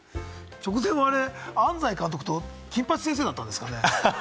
直前は、あれ、安西監督と金八先生だったんですかね？